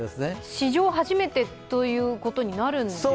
史上初めてということになるんですか？